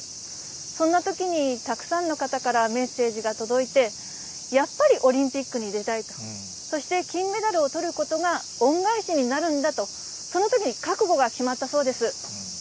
そんなときにたくさんの方からメッセージが届いて、やっぱりオリンピックに出たいと、そして金メダルをとることが恩返しになるんだと、そのときに覚悟が決まったそうです。